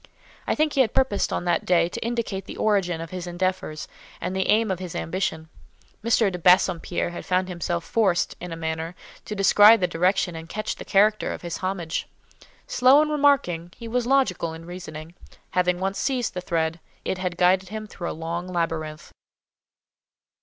I think he had purposed on that day to indicate the origin of his endeavours, and the aim of his ambition. M. de Bassompierre had found himself forced, in a manner, to descry the direction and catch the character of his homage. Slow in remarking, he was logical in reasoning: having once seized the thread, it had guided him through a long labyrinth.